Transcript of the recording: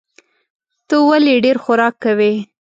ته ولي ډېر خوراک کوې؟